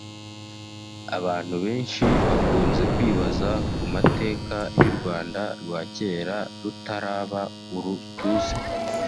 Abantu benshi bakunze kwibaza ku mateka y’u Rwanda rwa kera rutaraba uru tuzi